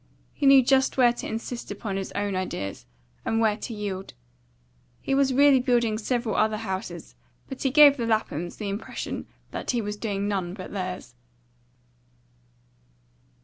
He knew just where to insist upon his own ideas, and where to yield. He was really building several other houses, but he gave the Laphams the impression that he was doing none but theirs.